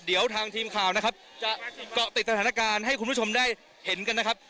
เดี๋ยวทางทีมข่าวนะครับจะเกาะติดสถานการณ์ให้คุณผู้ชมได้เห็นกันนะครับ